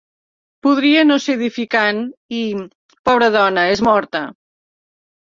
Podria no ser edificant i, pobre dona, és morta.